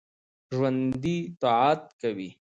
ژوندي طاعت کوي